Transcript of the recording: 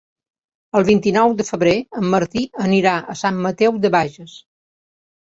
El vint-i-nou de febrer en Martí anirà a Sant Mateu de Bages.